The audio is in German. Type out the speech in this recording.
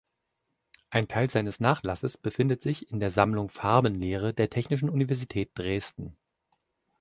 Ein Teil seines Nachlasses befindet sich in der "Sammlung Farbenlehre" der Technischen Universität Dresden.